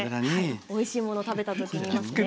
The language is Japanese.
おいしいものを食べたときに言いますね。